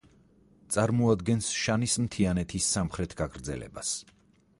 წარმოადგენს შანის მთიანეთის სამხრეთ გაგრძელებას.